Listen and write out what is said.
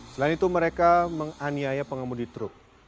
selain itu mereka menganiaya pengemudi truk